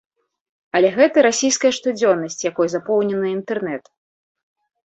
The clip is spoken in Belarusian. Але гэта расійская штодзённасць, якой запоўнены інтэрнэт.